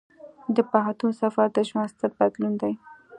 د پوهنتون سفر د ژوند ستر بدلون دی.